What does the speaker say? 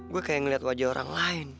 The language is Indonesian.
gue kayak ngeliat wajah orang lain